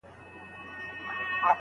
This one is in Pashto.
ګڼ خلګ کولای سي اوږد ډنډ ړنګ کړي.